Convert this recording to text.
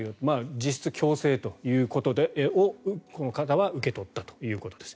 実質、強制ということでこの方は受け取ったということです。